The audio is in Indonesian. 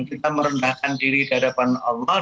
kita merendahkan diri di hadapan allah